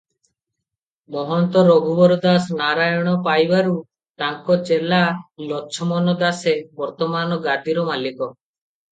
ମହନ୍ତ ରଘୁବର ଦାସ ନାରାୟଣ ପାଇବାରୁ ତାଙ୍କ ଚେଲା ଲଛମନ ଦାସେ ବର୍ତ୍ତମାନ ଗାଦିର ମାଲିକ ।